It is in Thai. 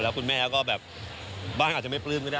คุณแม่เขาก็แบบบ้านอาจจะไม่ปลื้มก็ได้